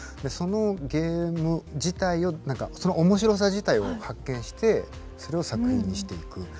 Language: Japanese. そのゲーム自体をそのおもしろさ自体を発見してそれを作品にしていく。